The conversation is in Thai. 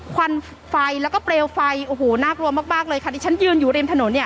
ควันไฟแล้วก็เปลวไฟโอ้โหน่ากลัวมากมากเลยค่ะที่ฉันยืนอยู่ริมถนนเนี่ย